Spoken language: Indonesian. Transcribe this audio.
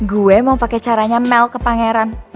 gue mau pakai caranya mel ke pangeran